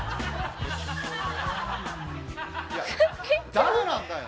誰なんだよ！